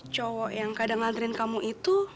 cowok yang kadang ngajarin kamu itu